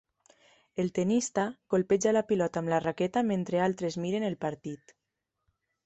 El tennista colpeja la pilota amb la raqueta, mentre altres miren el partit.